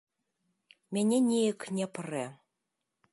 Мяне неяк не прэ.